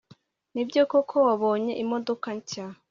Nibyo koko ko wabonye imodoka nshya